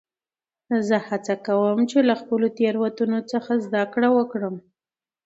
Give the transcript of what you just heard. زه هڅه کوم، چي له خپلو تیروتنو څخه زدکړم وکړم.